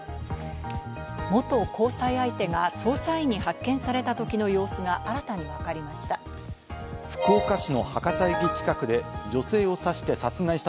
元交際相手が捜査員に発見されたときの様子が新たに分かりました。